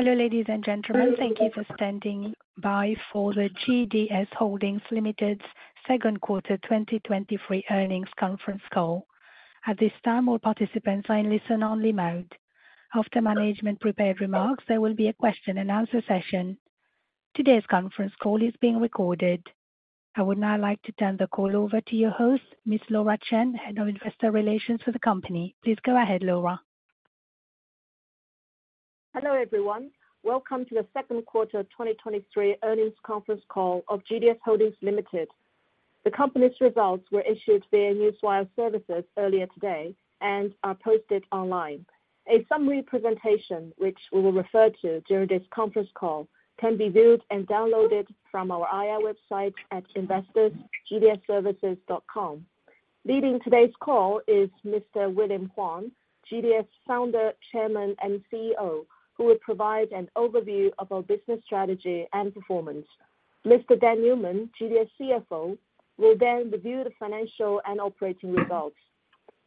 Hello, ladies and gentlemen. Thank you for standing by for the GDS Holdings Limited's second quarter 2023 earnings conference call. At this time, all participants are in listen only mode. After management prepared remarks, there will be a question and answer session. Today's conference call is being recorded. I would now like to turn the call over to your host, Ms. Laura Chen, Head of Investor Relations for the company. Please go ahead, Laura. Hello, everyone. Welcome to the 2Q 2023 earnings conference call of GDS Holdings Limited. The company's results were issued via Newswire services earlier today and are posted online. A summary presentation, which we will refer to during this conference call, can be viewed and downloaded from our IR website at investors.gds-services.com. Leading today's call is Mr. William Huang, GDS Founder, Chairman, and CEO, who will provide an overview of our business strategy and performance. Mr. Dan Newman, GDS CFO, will then review the financial and operating results.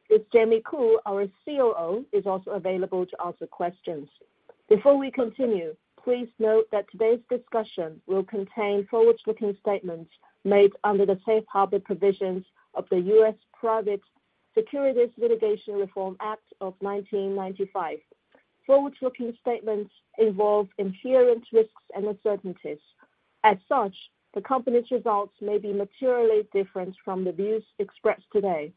Ms. Jamie Khoo, our COO, is also available to answer questions. Before we continue, please note that today's discussion will contain forward-looking statements made under the Safe Harbor Provisions of the U.S. Private Securities Litigation Reform Act of 1995. Forward-looking statements involve inherent risks and uncertainties. As such, the company's results may be materially different from the views expressed today.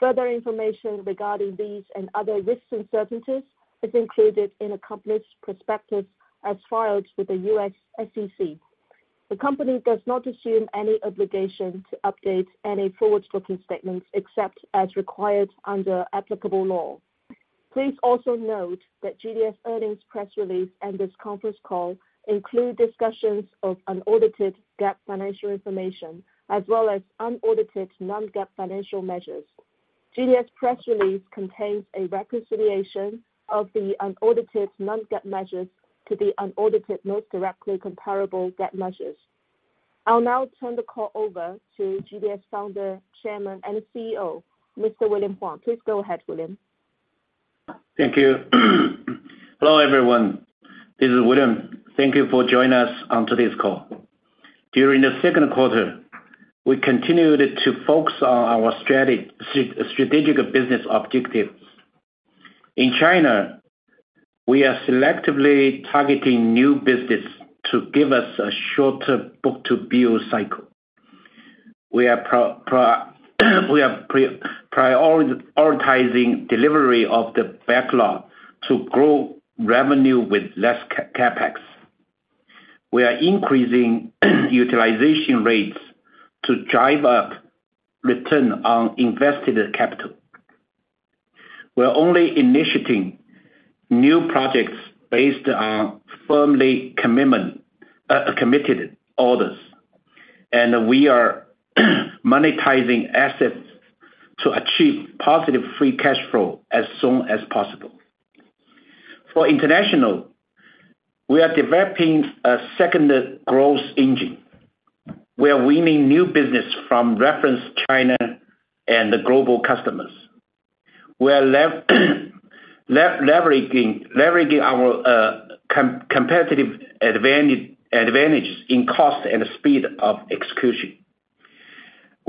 Further information regarding these and other risks and uncertainties is included in the company's prospectus as filed with the U.S. SEC. The company does not assume any obligation to update any forward-looking statements except as required under applicable law. Please also note that GDS earnings press release and this conference call include discussions of unaudited GAAP financial information, as well as unaudited non-GAAP financial measures. GDS press release contains a reconciliation of the unaudited non-GAAP measures to the unaudited most directly comparable GAAP measures. I'll now turn the call over to GDS Founder, Chairman, and CEO, Mr. William Huang. Please go ahead, William. Thank you. Hello, everyone. This is William. Thank you for joining us on today's call. During the second quarter, we continued to focus on our strategic business objectives. In China, we are selectively targeting new business to give us a shorter book-to-bill cycle. We are prioritizing delivery of the backlog to grow revenue with less CapEx. We are increasing utilization rates to drive up return on invested capital. We're only initiating new projects based on firmly committed orders, and we are, monetizing assets to achieve positive free cash flow as soon as possible. For international, we are developing a second growth engine. We are winning new business from reference China and the global customers. We are leveraging our competitive advantage in cost and speed of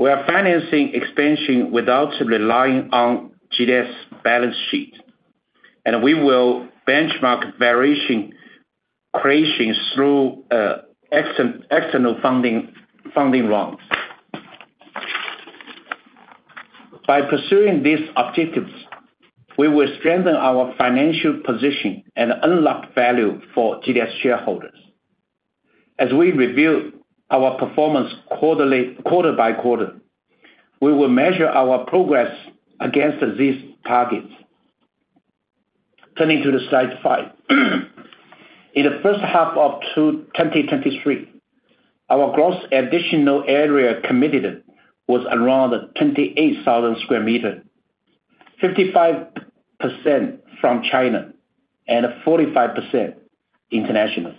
execution. We are financing expansion without relying on GDS balance sheet. We will benchmark variation creation through external funding, funding rounds. By pursuing these objectives, we will strengthen our financial position and unlock value for GDS shareholders. As we review our performance quarterly, quarter by quarter, we will measure our progress against these targets. Turning to Slide 5. In the first half of 2023, our gross additional area committed was around 28,000 sq m, 55% from China and 45% international.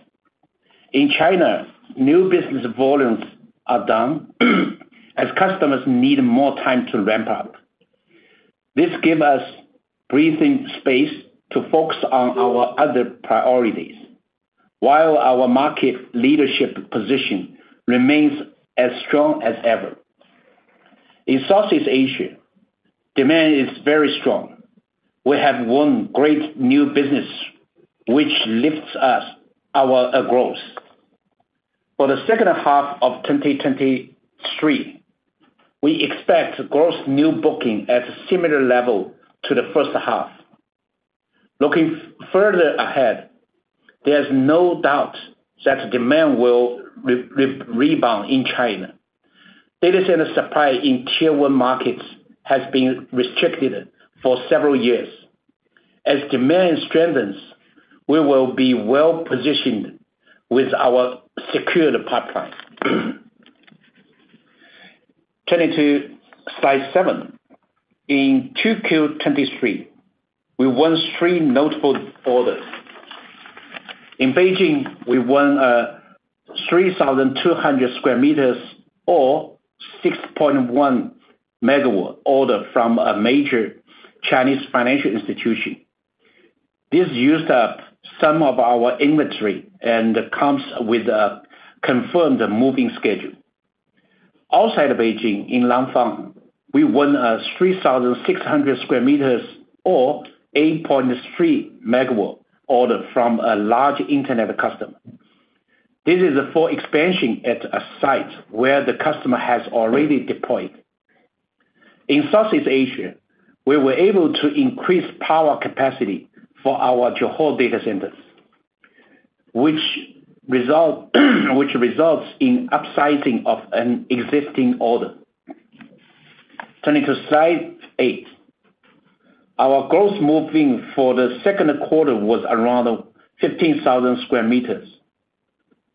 In China, new business volumes are down, as customers need more time to ramp up. This give us breathing space to focus on our other priorities, while our market leadership position remains as strong as ever. In Southeast Asia, demand is very strong. We have won great new business, which lifts us our growth. For the second half of 2023, we expect gross new booking at a similar level to the first half. Looking further ahead, there's no doubt that demand will rebound in China. Data center supply in Tier One markets has been restricted for several years. As demand strengthens, we will be well-positioned with our secured pipeline. Turning to slide seven. In 2Q 2023, we won three notable orders. In Beijing, we won a 3,200 sq m or 6.1 MW order from a major Chinese financial institution. This used up some of our inventory and comes with a confirmed moving schedule. Outside of Beijing, in Langfang, we won a 3,600 sq m or 8.3 MW order from a large internet customer. This is for expansion at a site where the customer has already deployed. In Southeast Asia, we were able to increase power capacity for our Johor data centers, which results in upsizing of an existing order. Turning to slide 8. Our gross move-in for the second quarter was around 15,000 sq m.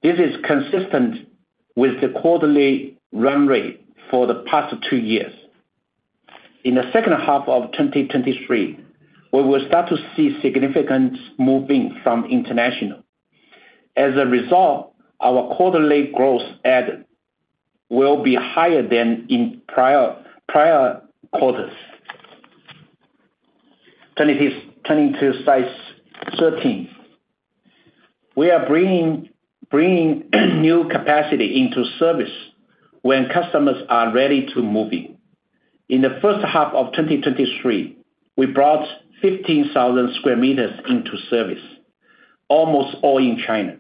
This is consistent with the quarterly run rate for the past two years. In the second half of 2023, we will start to see significant move-in from international. As a result, our quarterly growth added will be higher than in prior quarters. Turning to slide 13. We are bringing new capacity into service when customers are ready to move in. In the first half of 2023, we brought 15,000 sq m into service, almost all in China.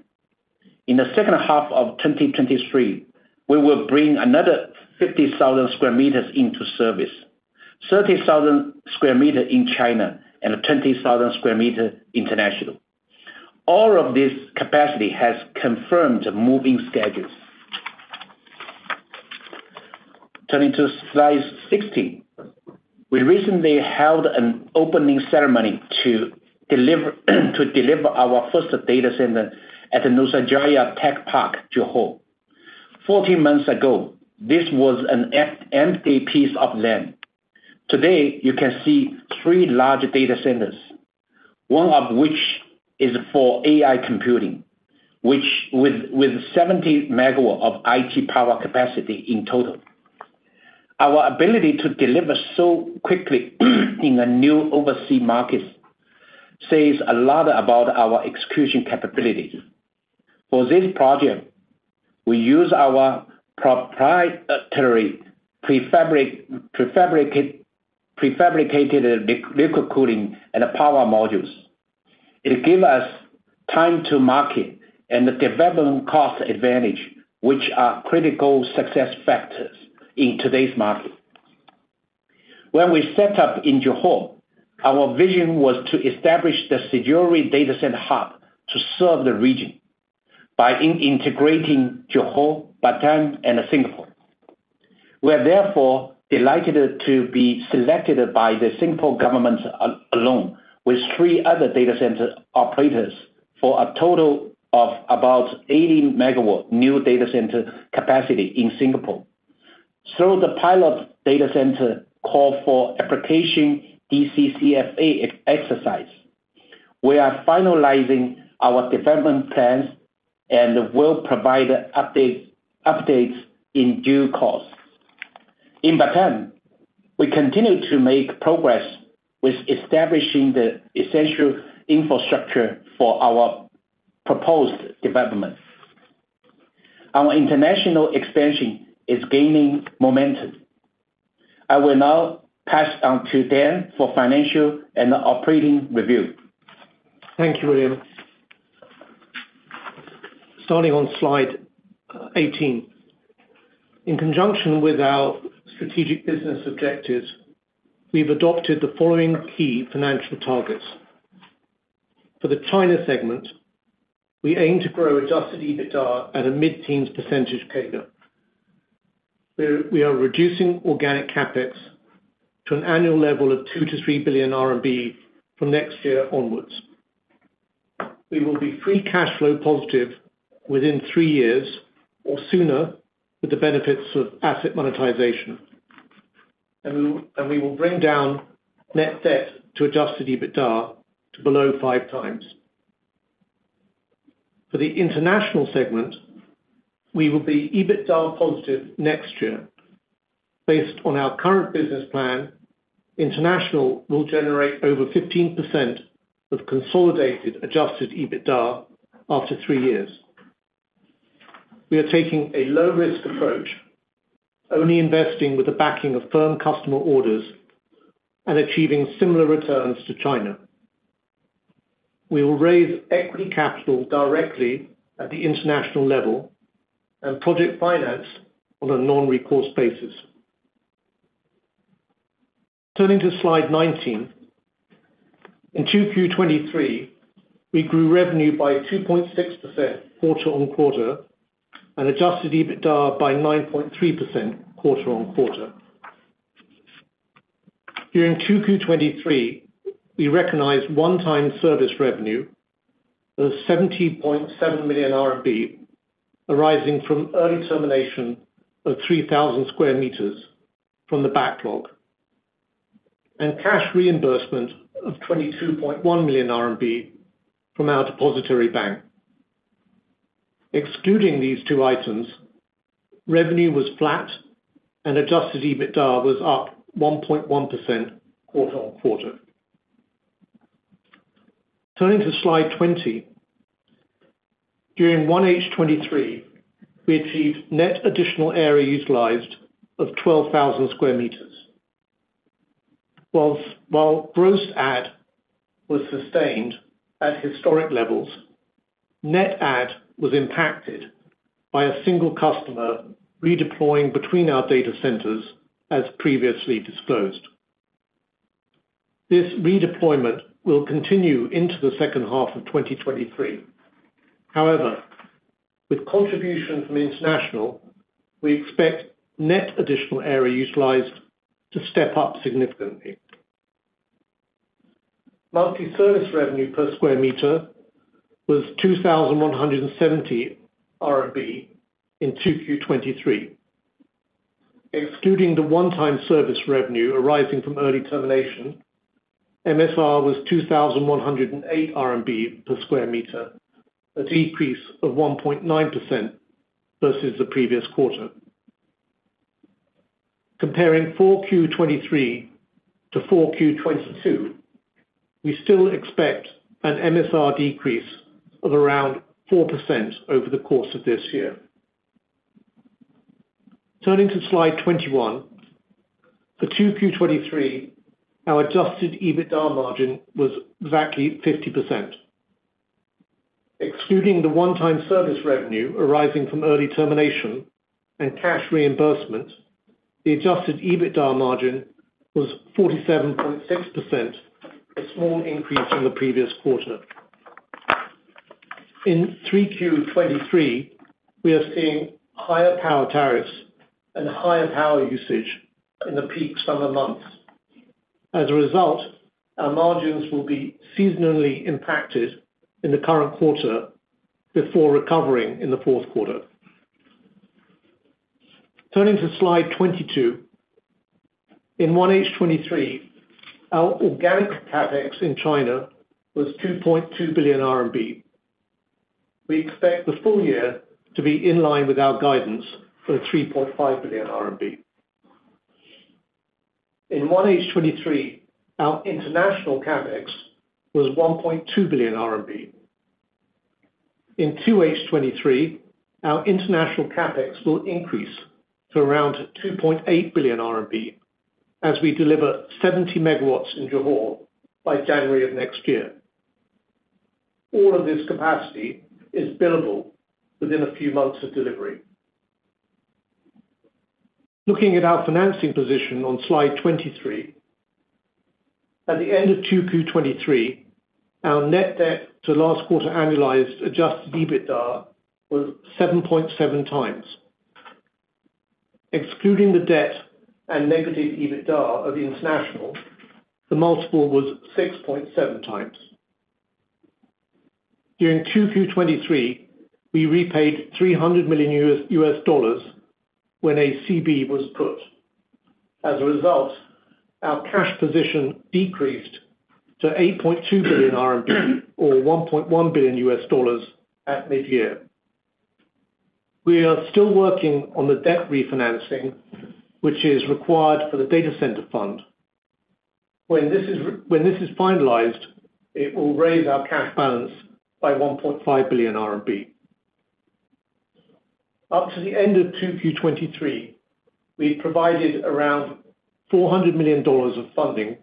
In the second half of 2023, we will bring another 50,000 sq m into service, 30,000 sq m in China, and 20,000 sq m international. All of this capacity has confirmed moving schedules. Turning to slide 16. We recently held an opening ceremony to deliver, to deliver our first data center at the Nusajaya Tech Park, Johor. 14 months ago, this was an empty piece of land. Today, you can see three large data centers, one of which is for AI computing, which with 70 MW of IT power capacity in total. Our ability to deliver so quickly, in a new overseas markets says a lot about our execution capabilities. For this project, we use our proprietary prefabricated liquid cooling and power modules. It'll give us time to market and the development cost advantage, which are critical success factors in today's market. When we set up in Johor, our vision was to establish the SIJORI data center hub to serve the region by integrating Johor, Batam, and Singapore. We are therefore delighted to be selected by the Singapore government along with three other data center operators, for a total of about 80 MW new data center capacity in Singapore. Through the pilot data center call for application DCCFA exercise, we are finalizing our development plans and will provide update, updates in due course. In Batam, we continue to make progress with establishing the essential infrastructure for our proposed developments. Our international expansion is gaining momentum. I will now pass on to Dan for financial and operating review. Thank you, William. Starting on slide 18. In conjunction with our strategic business objectives, we've adopted the following key financial targets. For the China segment, we aim to grow adjusted EBITDA at a mid-teens % CAGR. We, we are reducing organic CapEx to an annual level of 2 billion-3 billion RMB from next year onwards. We will be free cash flow positive within three years or sooner, with the benefits of asset monetization. We, and we will bring down net debt to adjusted EBITDA to below 5x. For the international segment, we will be EBITDA positive next year. Based on our current business plan, international will generate over 15% of consolidated adjusted EBITDA after three years. We are taking a low-risk approach, only investing with the backing of firm customer orders and achieving similar returns to China. We will raise equity capital directly at the international level and project finance on a non-recourse basis. Turning to slide 19. In 2Q 2023, we grew revenue by 2.6% quarter-on-quarter and adjusted EBITDA by 9.3% quarter-on-quarter. During 2Q 2023, we recognized one-time service revenue of 17.7 million RMB, arising from early termination of 3,000 sq m from the backlog, and cash reimbursement of 22.1 million RMB from our depositary bank. Excluding these two items, revenue was flat, and adjusted EBITDA was up 1.1% quarter-on-quarter. Turning to slide 20. During 1H 2023, we achieved net additional area utilized of 12,000 sq m. While gross add was sustained at historic levels, net add was impacted by a single customer redeploying between our data centers as previously disclosed. This redeployment will continue into the second half of 2023. However, with contribution from international, we expect net additional area utilized to step up significantly. Multi-service revenue per square meter was 2,170 RMB in 2Q 2023. Excluding the one-time service revenue arising from early termination, MSR was 2,108 RMB per square meter, a decrease of 1.9% versus the previous quarter. Comparing 4Q 2023 to 4Q 2022, we still expect an MSR decrease of around 4% over the course of this year. Turning to slide 21. For 2Q 2023, our adjusted EBITDA margin was exactly 50%. Excluding the one-time service revenue arising from early termination and cash reimbursement, the adjusted EBITDA margin was 47.6%, a small increase from the previous quarter. In 3Q 2023, we are seeing higher power tariffs and higher power usage in the peak summer months. As a result, our margins will be seasonally impacted in the current quarter before recovering in the fourth quarter. Turning to slide 22. In 1H 2023, our organic CapEx in China was 2.2 billion RMB. We expect the full year to be in line with our guidance for 3.5 billion RMB. In 1H 2023, our international CapEx was 1.2 billion RMB. In 2H 2023, our international CapEx will increase to around 2.8 billion RMB, as we deliver 70 MW in Johor by January of next year. All of this capacity is billable within a few months of delivery. Looking at our financing position on slide 23. At the end of 2Q 2023, our net debt to last quarter annualized adjusted EBITDA was 7.7x. Excluding the debt and negative EBITDA of the international, the multiple was 6.7x. During 2Q 2023, we repaid $300 million when a CB was put. As a result, our cash position decreased to 8.2 billion RMB, or $1.1 billion at mid-year. We are still working on the debt refinancing, which is required for the data center fund. When this is finalized, it will raise our cash balance by 1.5 billion RMB. Up to the end of 2Q 2023, we've provided around $400 million of funding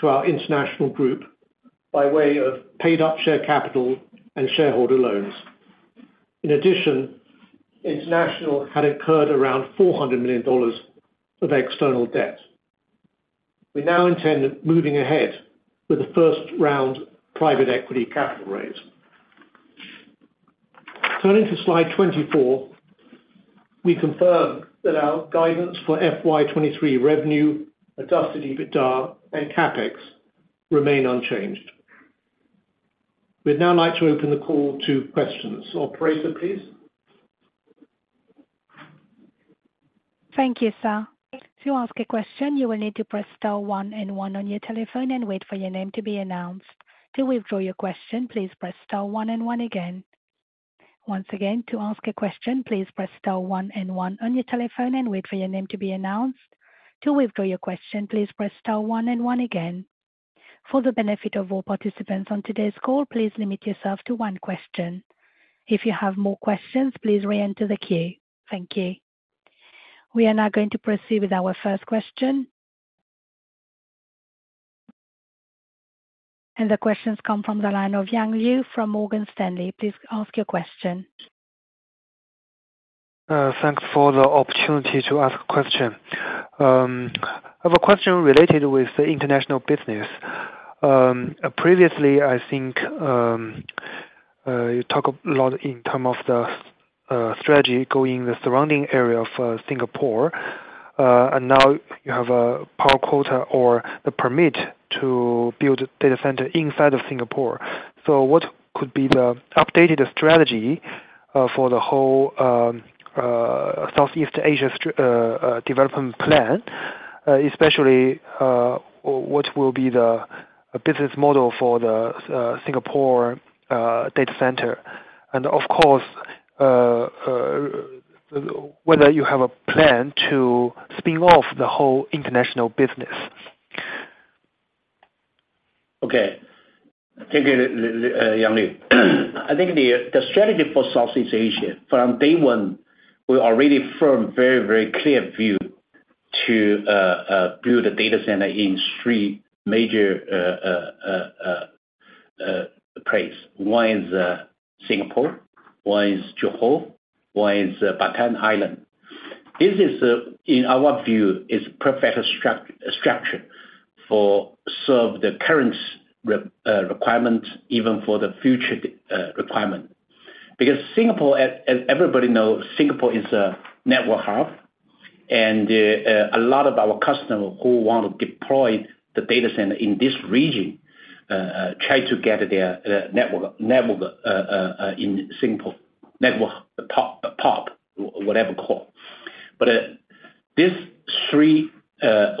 to our international group by way of paid up share capital and shareholder loans. In addition, international had incurred around $400 million of external debt. We now intend moving ahead with the first round private equity capital raise. Turning to slide 24. We confirm that our guidance for FY 2023 revenue, adjusted EBITDA and CapEx remain unchanged. We'd now like to open the call to questions. Operator, please. Thank you, sir. To ask a question, you will need to press star one and one on your telephone and wait for your name to be announced. To withdraw your question, please press star one and one again. Once again, to ask a question, please press star one and one on your telephone and wait for your name to be announced. To withdraw your question, please press star one and one again. For the benefit of all participants on today's call, please limit yourself to one question. If you have more questions, please reenter the queue. Thank you. We are now going to proceed with our first question. The question comes from the line of Yang Liu from Morgan Stanley. Please ask your question. Thanks for the opportunity to ask a question. I have a question related with the international business. Previously, I think, you talk a lot in term of the strategy going the surrounding area of Singapore. Now you have a power quota or the permit to build a data center inside of Singapore. What could be the updated strategy? For the whole Southeast Asia str development plan, especially, what will be the business model for the Singapore data center? Of course, whether you have a plan to spin off the whole international business. Okay. Thank you, Yang Li. I think the, the strategy for Southeast Asia, from day one, we are really firm, very, very clear view to build a data center in three major place. One is Singapore, one is Johor, one is Batam. This is, in our view, is perfect structure for serve the current requirement, even for the future requirement. Because Singapore, as everybody knows, Singapore is a network hub, and a lot of our customers who want to deploy the data center in this region, try to get their network, network in Singapore. Network, pop, pop, whatever call. This three,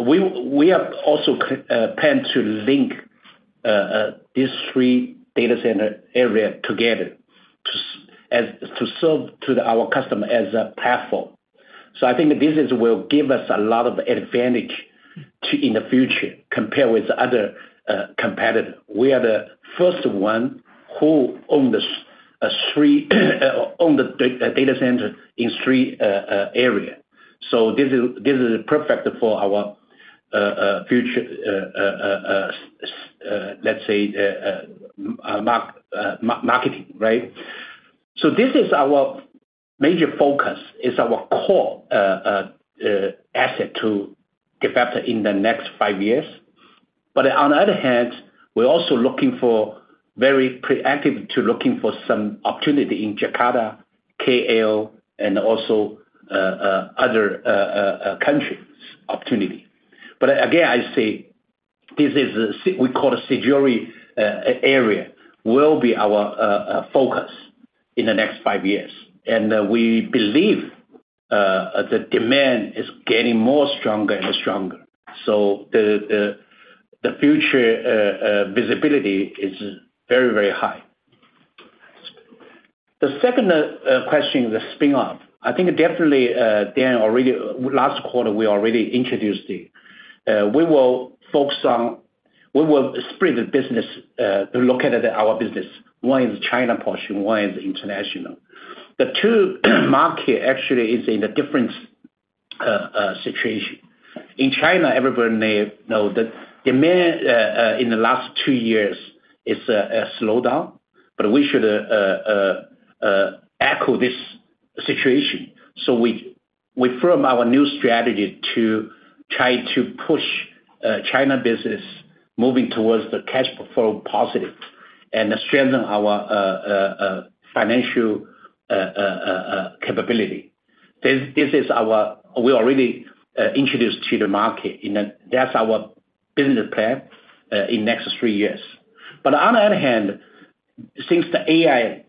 we have also plan to link these three data center area together as to serve to our customer as a platform. I think the business will give us a lot of advantage to, in the future, compare with the other competitor. We are the first one who own the three, own the data center in three area. This is, this is perfect for our future, let's say, marketing, right? This is our major focus. It's our Core asset to get better in the next five years. On the other hand, we're also looking for very proactive to looking for some opportunity in Jakarta, KL, and also other countries opportunity. Again, I say this is a we call it a Core area, will be our focus in the next five years. We believe the demand is getting more stronger and stronger, so the future visibility is very, very high. The second question, the spin off. I think definitely, Dan, already, last quarter, we already introduced it. We will focus we will split the business to look at our business. One is China portion, one is international. The two, market actually is in a different situation. In China, everybody may know that demand, in the last two years is slowed down. We should echo this situation. We, we firm our new strategy to try to push China business moving towards the cash flow positive and strengthen our financial capability. We already introduced to the market, and that's our business plan in next three years. On the other hand, since the AI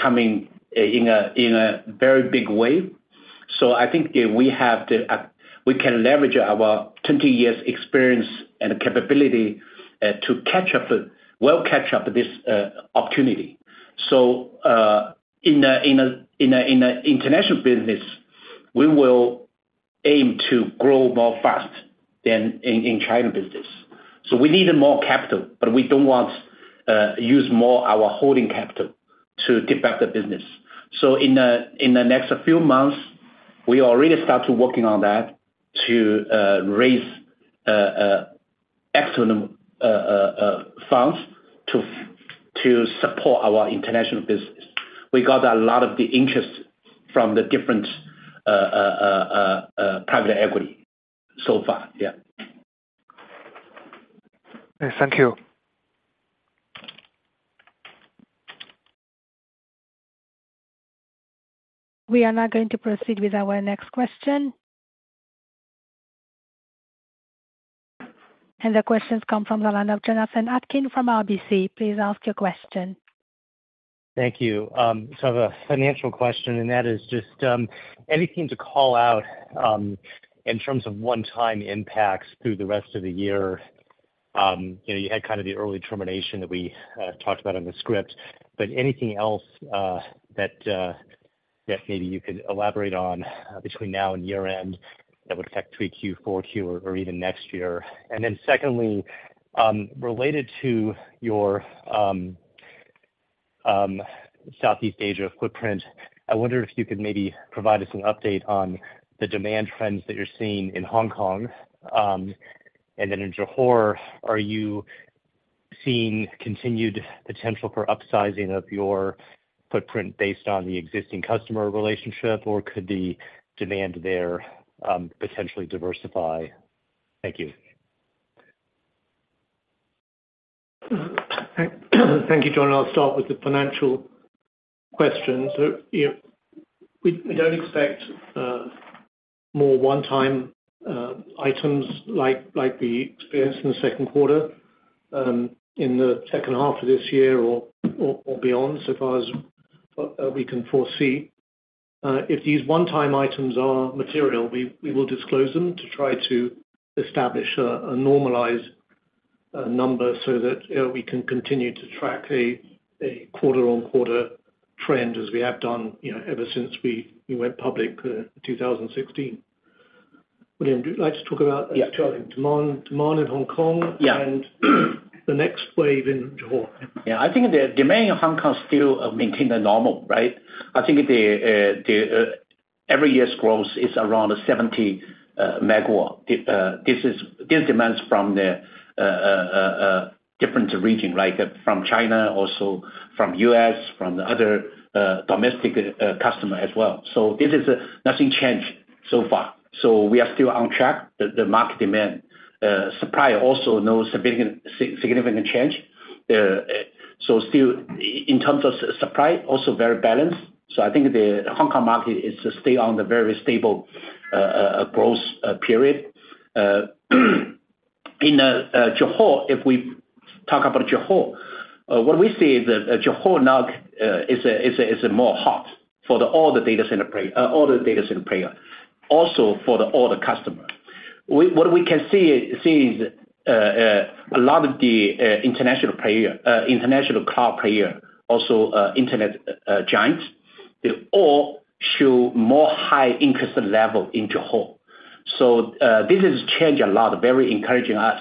coming in a very big way, I think we have the, we can leverage our 20 years experience and capability to catch up, well catch up this opportunity. In international business, we will aim to grow more fast than in China business. We need more capital, but we don't want use more our holding capital to get back the business. In the next few months, we already start to working on that, to raise external funds to support our international business. We got a lot of the interest from the different private equity so far. Yeah. Thank you. We are now going to proceed with our next question. The question comes from the line of Jonathan Atkin from RBC. Please ask your question. Thank you. I have a financial question, and that is just, anything to call out, in terms of one-time impacts through the rest of the year? You know, you had kind of the early termination that we talked about on the script, but anything else that that maybe you could elaborate on between now and year-end that would affect 3Q, 4Q, or even next year? Secondly, related to your Southeast Asia footprint, I wonder if you could maybe provide us an update on the demand trends that you're seeing in Hong Kong. In Johor, are you seeing continued potential for upsizing of your footprint based on the existing customer relationship, or could the demand there potentially diversify? Thank you. Thank you, John. I'll start with the financial question. Yeah. We, we don't expect more one-time items like, like we experienced in the second quarter, in the second half of this year or, or, or beyond, so far as we can foresee. If these one-time items are material, we, we will disclose them to try to establish a, a normalized number so that we can continue to track a, a quarter-on-quarter trend as we have done, you know, ever since we, we went public, in 2016. William, would you like to talk about? Yeah. Demand, demand in Hong Kong. Yeah. The next wave in Johor? I think the demand in Hong Kong still maintain the normal, right. I think the every year's growth is around 70 MW. This is, this demands from the different region, like from China, also from U.S,, from the other domestic customer as well. This is nothing changed so far. We are still on track. The market demand. Supply also no significant, significant change. Still in terms of supply, also very balanced. I think the Hong Kong market is still on the very stable growth period. In Johor, if we talk about Johor, what we see is that Johor now is a more hot for the all the data center play, all the data center player, also for the all the customer. What we can see is a lot of the international player, international cloud player, also internet giants, they all show more high interest level in Johor. This has changed a lot, very encouraging us.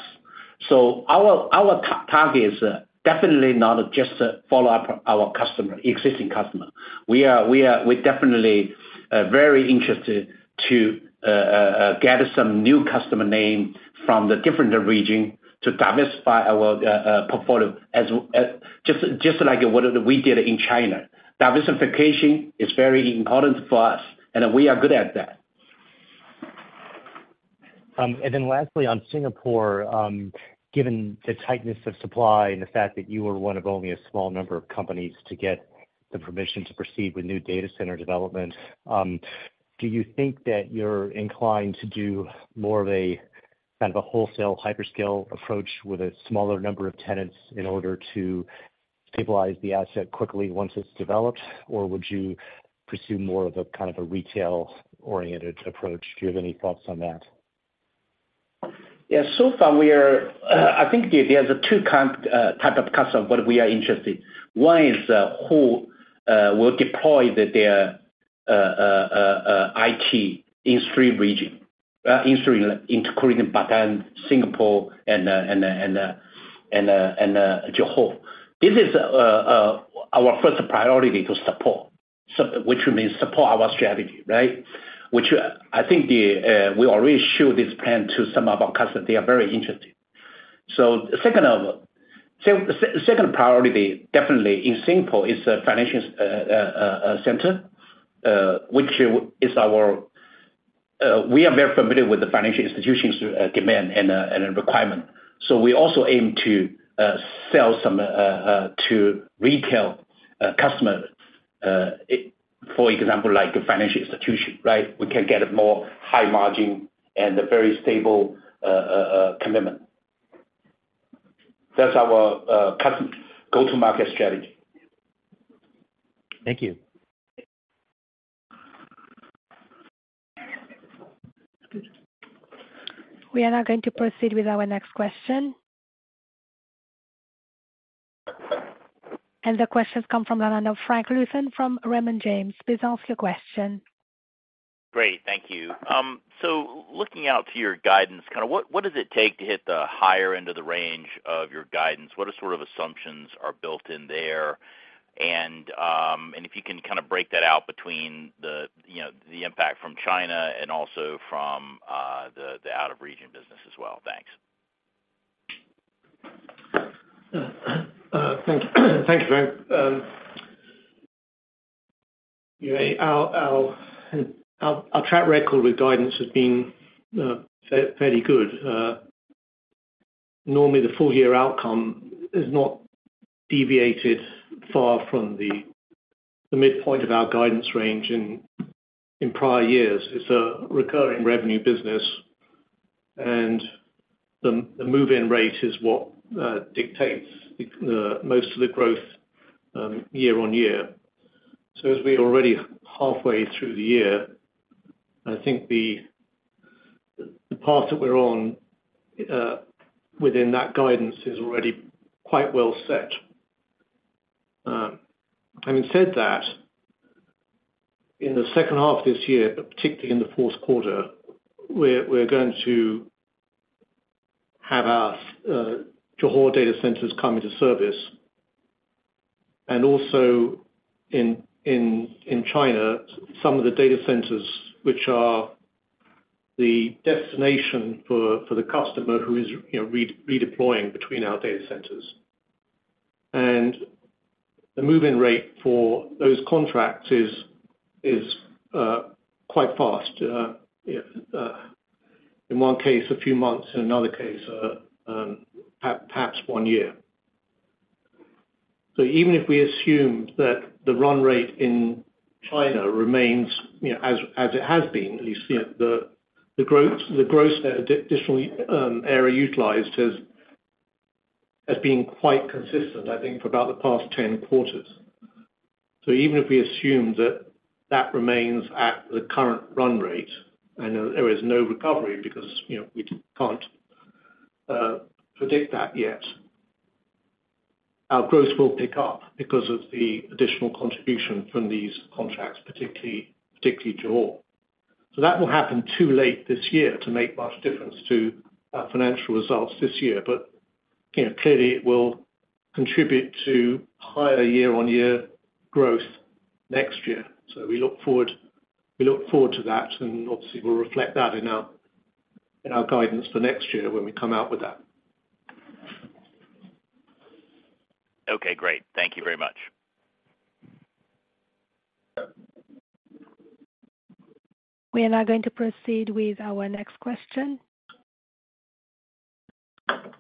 Our target is definitely not just follow up our customer, existing customer. We're definitely very interested to gather some new customer name from the different region to diversify our portfolio as just like what we did in China. Diversification is very important for us, and we are good at that. Then lastly, on Singapore, given the tightness of supply and the fact that you were one of only a small number of companies to get the permission to proceed with new data center development, do you think that you're inclined to do more of a, kind of a wholesale hyperscale approach with a smaller number of tenants in order to stabilize the asset quickly once it's developed? Would you pursue more of a, kind of a retail-oriented approach? Do you have any thoughts on that? Yeah, so far we are, I think there, there's two kinds of customer we are interested. One is who will deploy their IT in three regions, including Batam, Singapore, and Johor. This is our first priority to support, which means support our strategy, right? Which I think we already show this plan to some of our customers. They are very interested. Second priority, definitely in Singapore, is a financial center, which is our, we are very familiar with the financial institutions demand and requirement. We also aim to sell some to retail customers, for example, like a financial institution, right? We can get a more high margin and a very stable commitment. That's our custom go-to-market strategy. Thank you. We are now going to proceed with our next question. The question comes from the line of Frank Louthan from Raymond James. Please ask your question. Great, thank you. Looking out to your guidance, kind of what, what does it take to hit the higher end of the range of your guidance? What are sort of assumptions are built in there? If you can kind of break that out between the, you know, the impact from China and also from the out-of-region business as well. Thanks. Thank you. Thank you, Frank. You know, our, our, our, our track record with guidance has been fair- fairly good. Normally, the full year outcome is not deviated far from the midpoint of our guidance range in prior years. It's a recurring revenue business, and the move-in rate is what dictates the most of the growth year on year. As we're already halfway through the year, I think the path that we're on within that guidance is already quite well set. Having said that, in the second half of this year, particularly in the fourth quarter, we're going to have our Johor data centers come into service. Also in China, some of the data centers, which are the destination for the customer who is, you know, re-redeploying between our data centers. The move-in rate for those contracts is, is quite fast. In one case, a few months, in another case, perhaps one year. Even if we assume that the run rate in China remains, you know, as, as it has been, at least, you know, the growth, the growth, additional area utilized has, has been quite consistent, I think, for about the past 10 quarters. Even if we assume that that remains at the current run rate, and there is no recovery because, you know, we can't predict that yet, our growth will pick up because of the additional contribution from these contracts, particularly, particularly Johor. That will happen too late this year to make much difference to our financial results this year. You know, clearly it will contribute to higher year-on-year growth next year. We look forward, we look forward to that, and obviously, we'll reflect that in our, in our guidance for next year when we come out with that. Okay, great. Thank you very much. We are now going to proceed with our next question.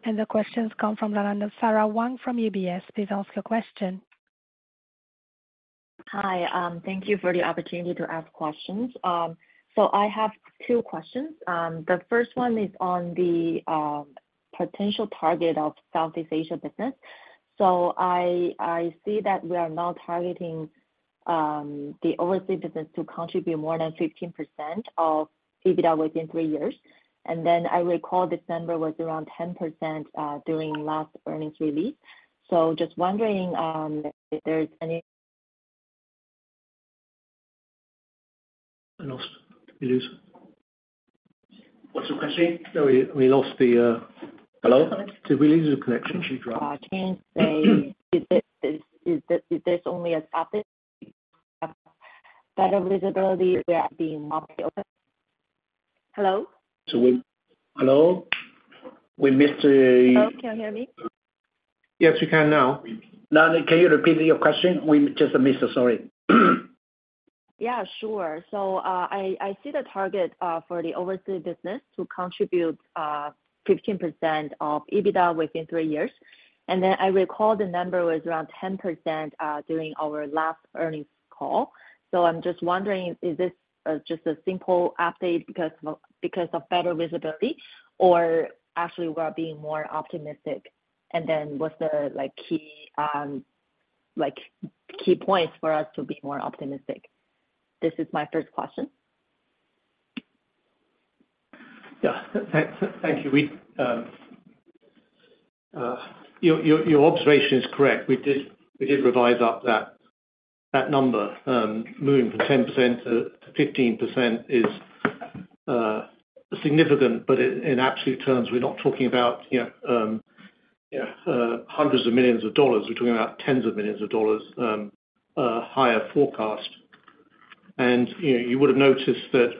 The question comes from the line of Sara Wang from UBS. Please ask your question. Hi, thank you for the opportunity to ask questions. I have two questions. The first one is on the potential target of Southeast Asia business. I, I see that we are now targeting the overseas business to contribute more than 15% of EBITDA within three years. I recall December was around 10% during last earnings release. Just wondering if there's any- I lost. Did we lose him? What's the question? Sorry, we lost the. Hello? Did we lose the connection? She dropped. Can you say, is this, is this, is this only a update, better visibility? We are being open. Hello? Hello? We missed the- Hello, can you hear me? Yes, we can now. Now, can you repeat your question? We just missed it. Sorry. Yeah, sure. I, I see the target for the overseas business to contribute 15% of EBITDA within three years. I recall the number was around 10% during our last earnings call. I'm just wondering, is this just a simple update because of, because of better visibility, or actually we are being more optimistic? What's the, like, key, like, key points for us to be more optimistic? This is my first question. Yeah. Thank, thank you. We, your, your, your observation is correct. We did, we did revise up that, that number. Moving from 10%-15% is significant, but in, in absolute terms, we're not talking about, you know, hundreds of millions of dollars. We're talking about tens of millions of dollars, higher forecast. You know, you would have noticed that,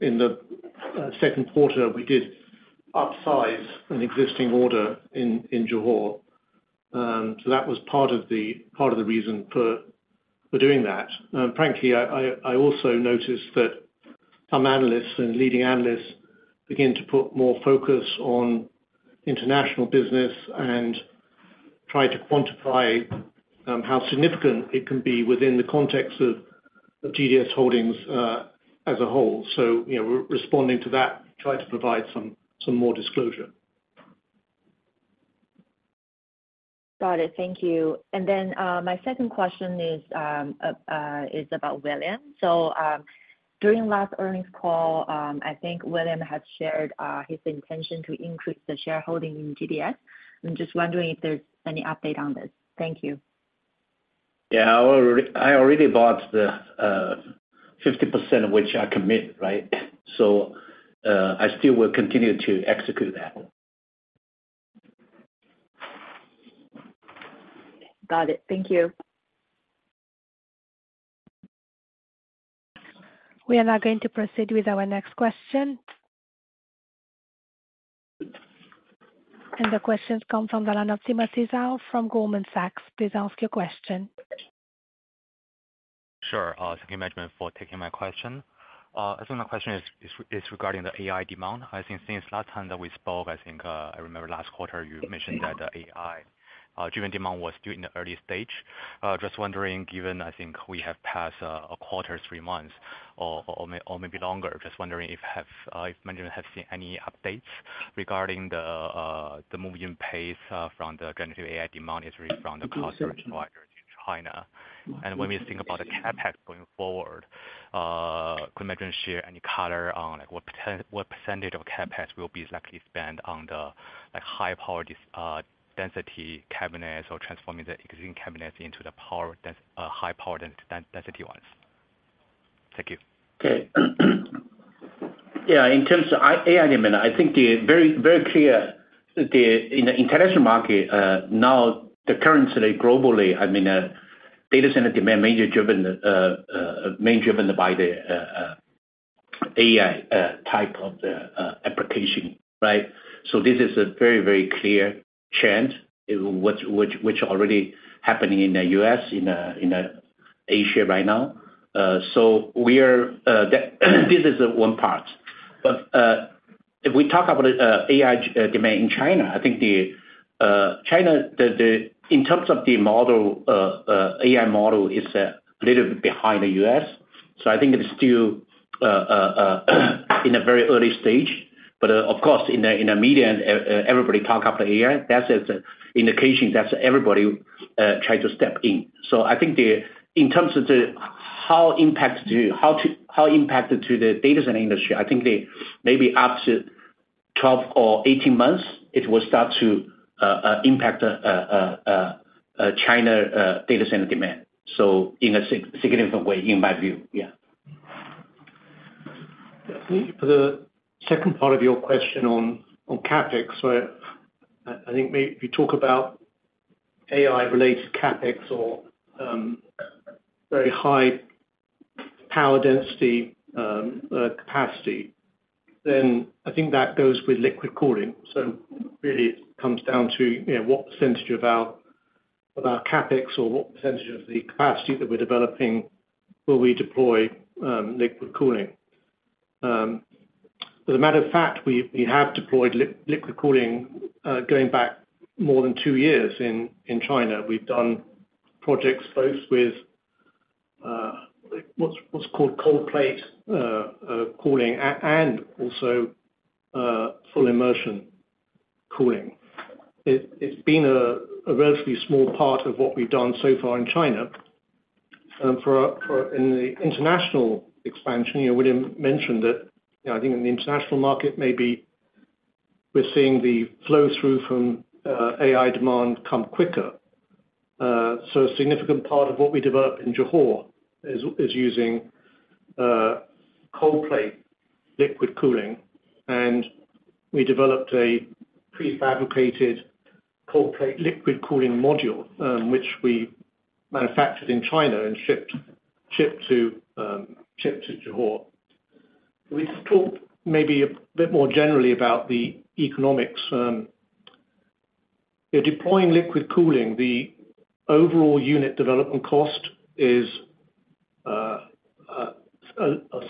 in the second quarter, we did upsize an existing order in, in Johor. That was part of the, part of the reason for, for doing that. Frankly, I, I, I also noticed that some analysts and leading analysts begin to put more focus on international business and try to quantify, how significant it can be within the context of the GDS Holdings, as a whole. you know, we're responding to that, try to provide some, some more disclosure. Got it. Thank you. My second question is about William. During last earnings call, I think William had shared his intention to increase the shareholding in GDS. I'm just wondering if there's any update on this. Thank you. Yeah, I already, I already bought the, 50% of which I commit, right? I still will continue to execute that. Got it. Thank you. We are now going to proceed with our next question. The question comes from the line of Timothy Zhao from Goldman Sachs. Please ask your question. Sure. Thank you, management, for taking my question. My question is regarding the AI demand. Since last time that we spoke, I remember last quarter you mentioned that the AI driven demand was still in the early stage. Just wondering, given we have passed a quarter, three months or maybe longer, just wondering if management have seen any updates regarding the moving pace from the generative AI demand, is from the cloud service provider to China. When we think about the CapEx going forward, could management share any color on what percentage of CapEx will be likely spent on the high-power density cabinets or transforming the existing cabinets into the high-power density ones? Thank you. Okay. Yeah, in terms of AI demand, I think the very, very clear that the, in the international market, now the currently, globally, I mean, data center demand major driven, mainly driven by the AI type of application, right? This is a very, very clear trend, which, which already happening in the U.S., in Asia right now. We are, this is one part. If we talk about AI demand in China, I think the China, the, the, in terms of the model, AI model is a little bit behind the U.S., so I think it's still in a very early stage. Of course, in the media, everybody talk about AI. That's is a indication that everybody try to step in. I think the, in terms of the, how impacted to the data center industry, I think they may be up to 12 or 18 months, it will start to impact China data center demand, so in a significant way, in my view. Yeah. For the second part of your question on, on CapEx, where I, I think we, we talk about AI-related CapEx or, very high power density, capacity, I think that goes with liquid cooling. Really it comes down to, you know, what percentage of our, of our CapEx or what percentage of the capacity that we're developing will we deploy, liquid cooling? As a matter of fact, we, we have deployed liquid cooling, going back more than two years in, in China. We've done projects both with, what's, what's called cold plate, cooling and also, full immersion cooling. It, it's been a, a relatively small part of what we've done so far in China. For, for in the international expansion, you know, William mentioned that, you know, I think in the international market, maybe we're seeing the flow-through from AI demand come quicker. A significant part of what we developed in Johor is, is using cold plate liquid cooling, and we developed a prefabricated cold plate liquid cooling module, which we manufactured in China and shipped, shipped to, shipped to Johor. We've talked maybe a bit more generally about the economics. Deploying liquid cooling, the overall unit development cost is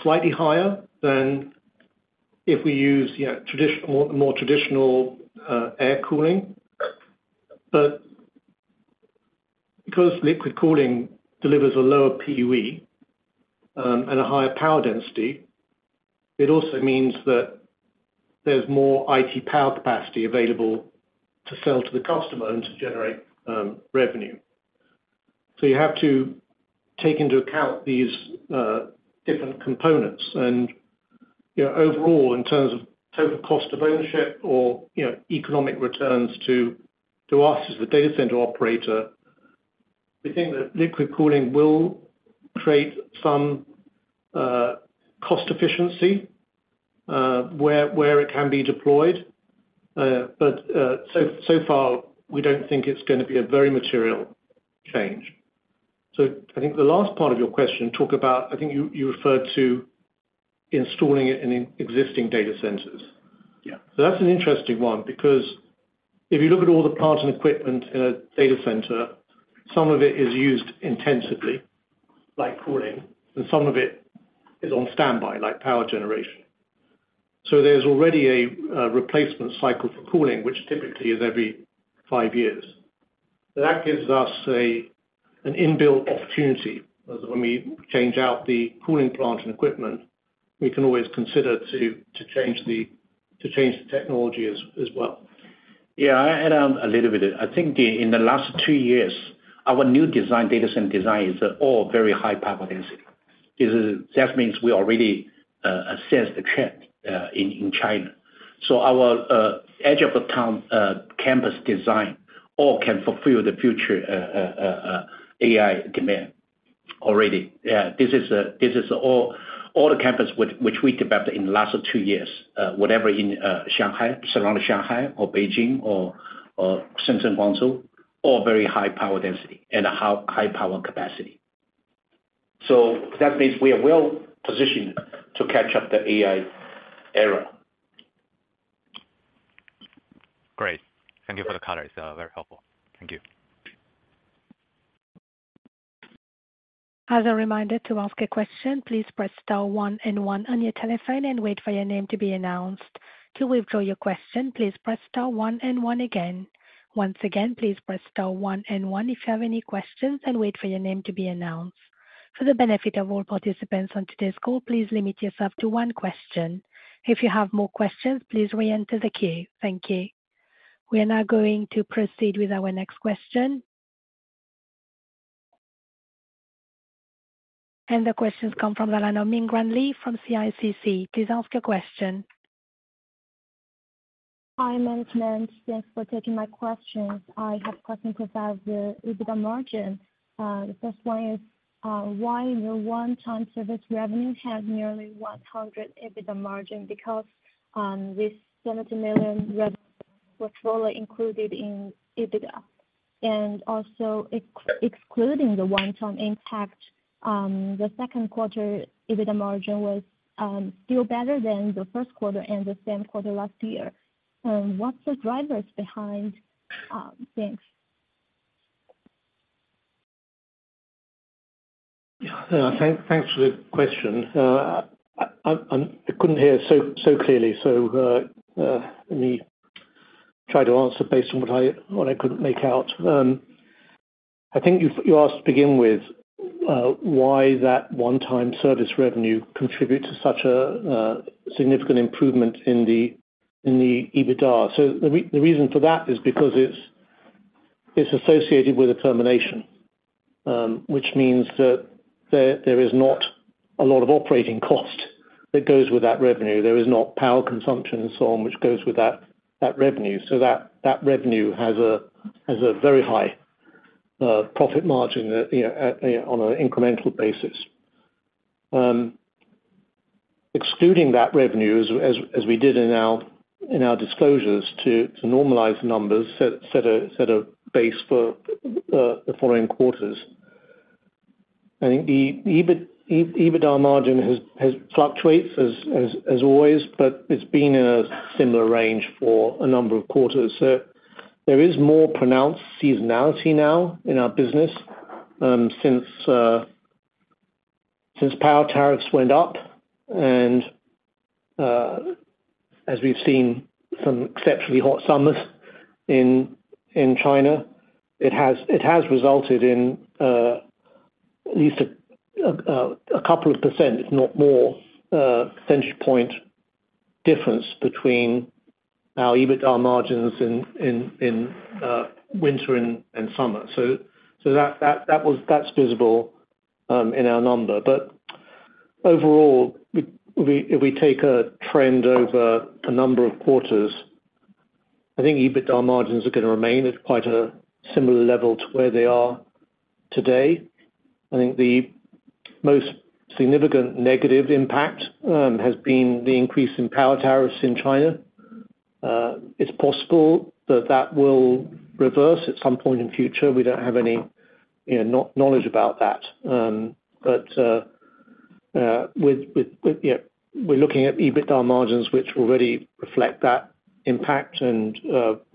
slightly higher than if we use, you know, traditional, more traditional, air cooling. Because liquid cooling delivers a lower PUE, and a higher power density, it also means that there's more IT power capacity available to sell to the customer and to generate revenue. You have to take into account these different components, and, you know, overall, in terms of total cost of ownership or, you know, economic returns to, to us as the data center operator, we think that liquid cooling will create some cost efficiency where, where it can be deployed. So far, we don't think it's gonna be a very material change. I think the last part of your question talk about, I think you, you referred to installing it in existing data centers. Yeah. That's an interesting one, because if you look at all the plant and equipment in a data center, some of it is used intensively, like cooling, and some of it is on standby, like power generation. There's already a replacement cycle for cooling, which typically is every five years. That gives us a, an inbuilt opportunity, as when we change out the cooling plant and equipment, we can always consider to, to change the, to change the technology as, as well. Yeah, I add on a little bit. I think in the last two years, our new design, data center design, is all very high power density. That means we already assess the trend in China. Our edge of the town campus design all can fulfill the future AI demand already. Yeah, this is all the campus which we developed in the last two years, whatever in Shanghai, surrounding Shanghai or Beijing or Shenzhen, Guangzhou, all very high power density and a high, high power capacity. That means we are well positioned to catch up the AI era. Great. Thank you for the color. It's very helpful. Thank you. As a reminder, to ask a question, please press star one and one on your telephone and wait for your name to be announced. To withdraw your question, please press star one and one again. Once again, please press star one and one if you have any questions, and wait for your name to be announced. For the benefit of all participants on today's call, please limit yourself to one question. If you have more questions, please reenter the queue. Thank you. We are now going to proceed with our next question. The question comes from the line of Mingxuan Li from CICC. Please ask your question. Hi, management. Thanks for taking my questions. I have questions about the EBITDA margin. The first one is, why your one-time service revenue has nearly 100% EBITDA margin? Because, this $70 million revenue were fully included in EBITDA. Also, excluding the one-time impact, the second quarter EBITDA margin was still better than the first quarter and the same quarter last year. What's the drivers behind this? Thank, thanks for the question. I, I, I couldn't hear so, so clearly, so let me try to answer based on what I, what I could make out. I think you, you asked to begin with, why that one-time service revenue contribute to such a, a significant improvement in the, in the EBITDA? The reason for that is because it's, it's associated with a termination, which means that there, there is not a lot of operating cost that goes with that revenue. There is not power consumption and so on, which goes with that, that revenue. So that, that revenue has a, has a very high profit margin, you know, at, on an incremental basis. Excluding that revenue as, as, as we did in our, in our disclosures to, to normalize the numbers, set, set a, set a base for the following quarters. I think the EBITDA margin has, has fluctuates as, as, as always, but it's been in a similar range for a number of quarters. There is more pronounced seasonality now in our business, since power tariffs went up, and as we've seen some exceptionally hot summers in China, it has, it has resulted in at least a a couple of %, if not more, percentage point difference between our EBITDA margins in in in winter and and summer. That, that, that was, that's visible in our number. Overall, we, we, if we take a trend over a number of quarters, I think EBITDA margins are gonna remain at quite a similar level to where they are today. I think the most significant negative impact has been the increase in power tariffs in China. It's possible that that will reverse at some point in the future. We don't have any, you know, knowledge about that. But, yeah, we're looking at EBITDA margins which already reflect that impact, and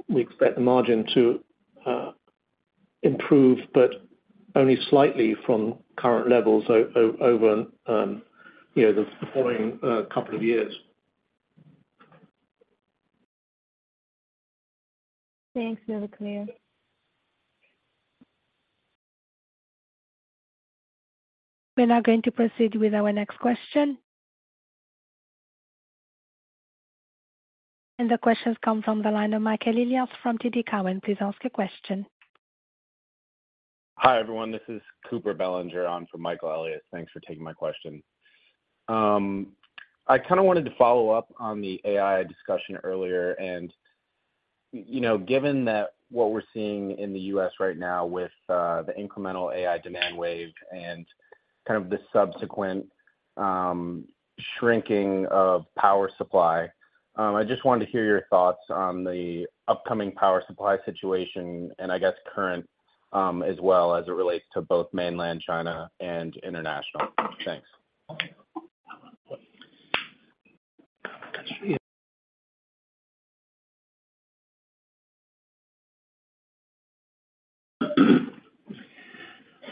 we expect the margin to improve, but only slightly from current levels over, you know, the following couple of years. Thanks. Very clear. We're now going to proceed with our next question. The question comes from the line of Michael Elias from TD Cowen. Please ask your question. Hi, everyone. This is Cooper Belanger on for Michael Elias. Thanks for taking my question. I kind of wanted to follow up on the AI discussion earlier. You know, given that what we're seeing in the U.S. right now with the incremental AI demand wave and kind of the subsequent shrinking of power supply, I just wanted to hear your thoughts on the upcoming power supply situation and I guess current, as well as it relates to both mainland China and international. Thanks.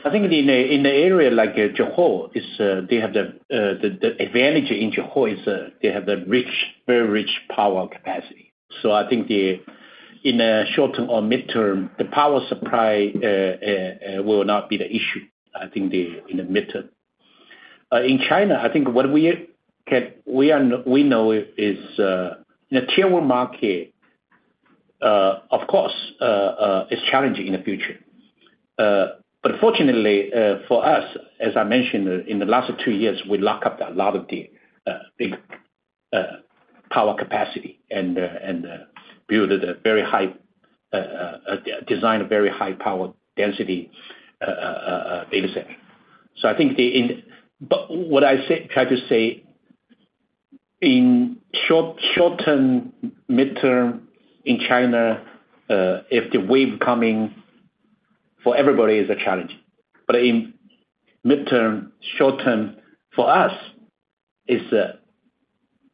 I think in an area like Johor, is, they have the, the, the advantage in Johor is, they have a rich, very rich power capacity. I think the, in the short term or midterm, the power supply will not be the issue, I think, the, in the midterm. In China, I think what we can, we know is, the Tier One market, of course, is challenging in the future. Fortunately, for us, as I mentioned, in the last two years, we lock up a lot of the, the, power capacity and, and, build a very high, design, a very high power density, data center. I think the, in- What I say, try to say, in short, short term, midterm in China, if the wave coming for everybody is a challenge, but in midterm, short term for us, is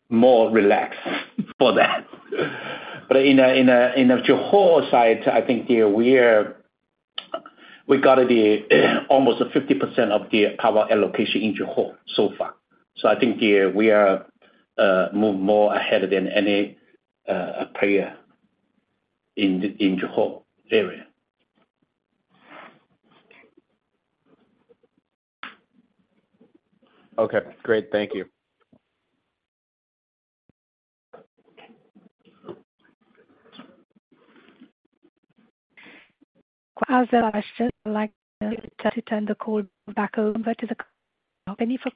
more relaxed for that. In a, in a, in a Johor site, I think the, we're, we got the, almost 50% of the power allocation in Johor so far. I think the, we are, more, more ahead than any, player in the, in Johor area. Okay, great. Thank you. There are no further questions, I'd like to turn the call back over to the company for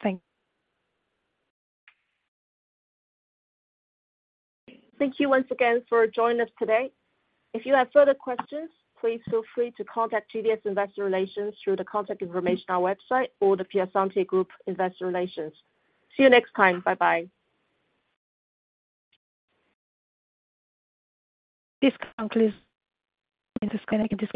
closing. Thank you once again for joining us today. If you have further questions, please feel free to contact GDS Investor Relations through the contact information on our website or The Piacente Group Investor Relations. See you next time. Bye-bye. Please click, and disconnect this call.